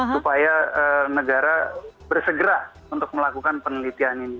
supaya negara bersegera untuk melakukan penelitian ini